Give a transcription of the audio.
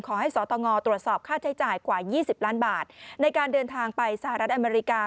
สตงตรวจสอบค่าใช้จ่ายกว่า๒๐ล้านบาทในการเดินทางไปสหรัฐอเมริกา